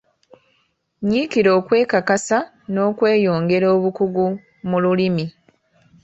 Nyiikira okwekakasa n'okweyongera obukugu mu lulimi.